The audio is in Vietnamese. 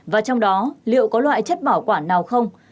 và trong đó liệu có loại chất bảo quản nào không